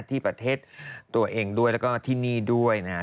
ที่ประเทศตัวเองด้วยแล้วก็ที่นี่ด้วยนะฮะ